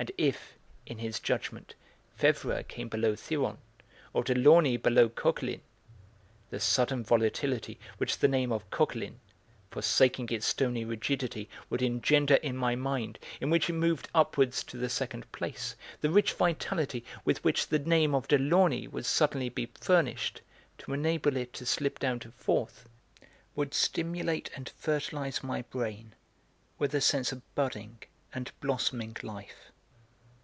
And if, in his judgment, Febvre came below Thiron, or Delaunay below Coquelin, the sudden volatility which the name of Coquelin, forsaking its stony rigidity, would engender in my mind, in which it moved upwards to the second place, the rich vitality with which the name of Delaunay would suddenly be furnished, to enable it to slip down to fourth, would stimulate and fertilise my brain with a sense of bradding and blossoming life.